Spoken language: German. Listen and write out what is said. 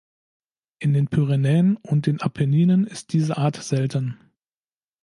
In den Pyrenäen und Apenninen ist diese Art selten.